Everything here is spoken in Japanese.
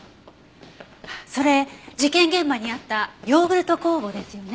それ事件現場にあったヨーグルト酵母ですよね？